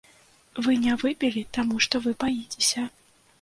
Вы не выбілі, таму што вы баіцеся.